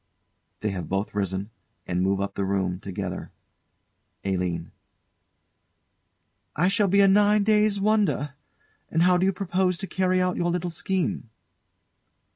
[They have both risen, and move up the room together. ALINE. I shall be a nine days' wonder. And how do you propose to carry out your little scheme?